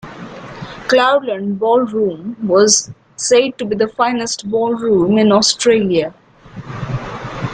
Cloudland Ballroom was said to be the finest ballroom in Australia.